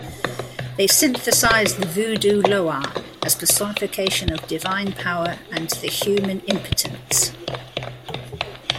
They synthesize the vodou Loa as personification of divine power and the human impotence.